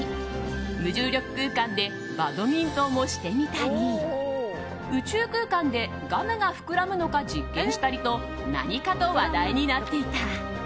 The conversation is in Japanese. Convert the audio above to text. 無重力空間でバドミントンをしてみたり宇宙空間でガムが膨らむのか実験したりと何かと話題になっていた。